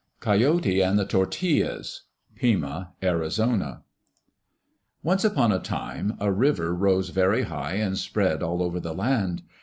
Coyote and the Tortillas Pima (Arizona) Once upon a time, a river rose very high and spread all over the land.